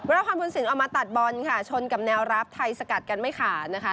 ว่าฮอนบุญสินออกมาตัดบอลค่ะชนกับแนวราฟไทยสกัดกันไม่ขาดนะคะ